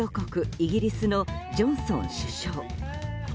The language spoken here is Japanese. イギリスのジョンソン首相。